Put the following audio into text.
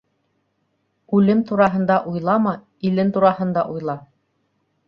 Үлем тураһында уйлама, илен тураһында уйла.